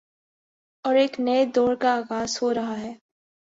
اورایک نئے دور کا آغاز ہو رہاہے۔